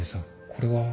これは。